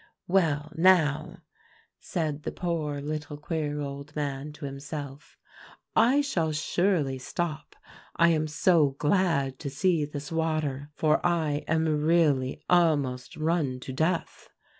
'Well now,' said the poor little queer old man to himself, 'I shall surely stop; I am so glad to see this water, for I am really almost run to death.